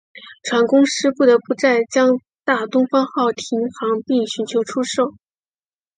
船公司不得不在将大东方号停航并寻求出售。